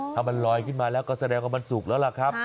ถ้ามันลอยขึ้นมาแล้วก็แสดงว่ามันสุกแล้วล่ะครับ